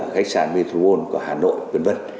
ở khách sạn my thuôn của hà nội quyền vân